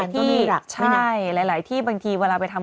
คุณผู้ชมขายังจริงท่านออกมาบอกว่า